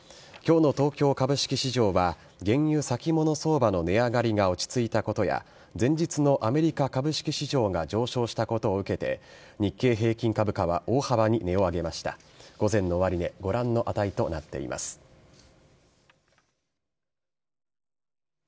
きょうの東京株式市場は原油先物相場の値上がりが落ち着いたことや、前日のアメリカ株式市場が上昇したことを受けて、日経平均株価は大幅に値を上げました。